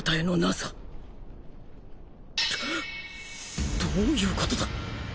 道：どういうことだ。